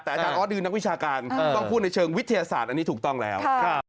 แต่อาจารย์ออสคือนักวิชาการต้องพูดในเชิงวิทยาศาสตร์อันนี้ถูกต้องแล้ว